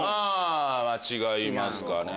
違いますかね。